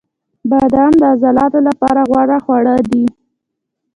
• بادام د عضلاتو لپاره غوره خواړه دي.